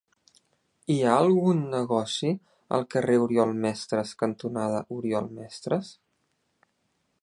Hi ha algun negoci al carrer Oriol Mestres cantonada Oriol Mestres?